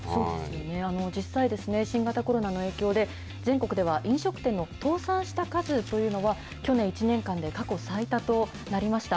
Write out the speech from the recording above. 実際、新型コロナの影響で、全国では飲食店の倒産した数というのは、去年１年間で過去最多となりました。